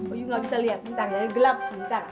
oh you gak bisa liat ntar ya gelap sih ntar